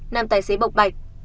nam tài xế bộc bạch